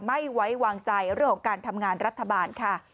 ไม่ไว้วางใจเรื่องของการทำงานรัฐบาลค่ะ